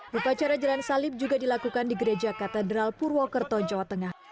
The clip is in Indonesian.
rupacara jalan salib juga dilakukan di gereja katedral purwokerto jawa tengah